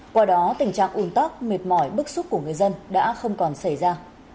qua đó tình trạng un tóc mệt mỏi bức xúc của người dân đã không còn xảy ra